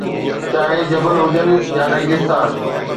چاهي جبل هجن يا ريگستان